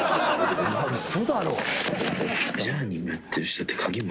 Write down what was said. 嘘だろ。